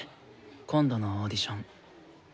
今度のオーディション。